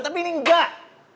tapi ini enggak